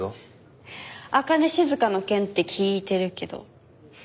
朱音静の件って聞いてるけど。